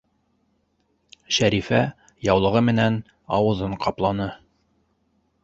Шәрифә яулығы менән ауыҙын ҡапланы.